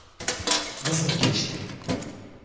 Nasıl geçti?